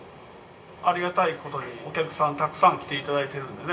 ありがたい事にお客さんたくさん来て頂いてるんでね。